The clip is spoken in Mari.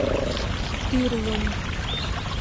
— Тӱрлын!